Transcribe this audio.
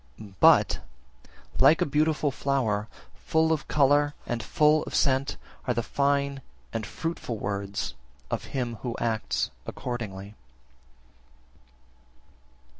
52. But, like a beautiful flower, full of colour and full of scent, are the fine and fruitful words of him who acts accordingly.